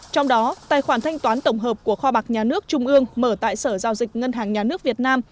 trong đó tài khoản thanh toán tổng hợp của kho bạc nhà nước trung ương mở tại sở giao dịch ngân hàng nhà nước việt nam